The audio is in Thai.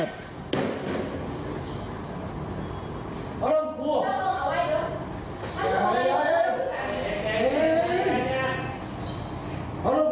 เอาล่ะเอาไว้เอาล่ะเอาล่ะเอาล่ะเอาล่ะเอาล่ะ